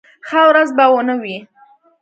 ښه ورځ به و نه وي.